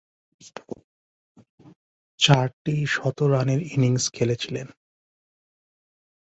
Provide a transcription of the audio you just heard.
চারটি শতরানের ইনিংস খেলেছিলেন।